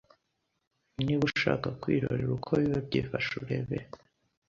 Niba ushaka kwirorera uko biba byifashe urebere